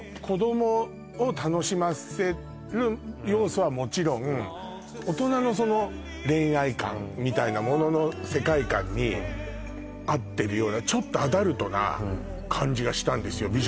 子供を楽しませる要素はもちろんうん大人のその恋愛感みたいなものの世界観に合ってるようなちょっとアダルトな感じがしたんですよ